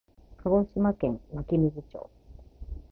鹿児島県湧水町